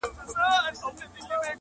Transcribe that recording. یا به اوښ یا زرافه ورته ښکاره سم-